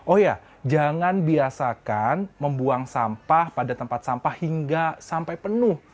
oh ya jangan biasakan membuang sampah pada tempat sampah hingga sampai penuh